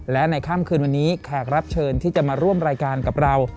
และในค่ำคืนวันนี้แขกรับเชิญที่จะมาร่วมรายการกับเรา